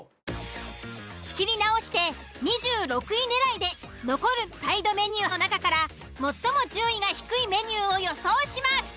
仕切り直して２６位狙いで残るサイドメニューの中から最も順位が低いメニューを予想します。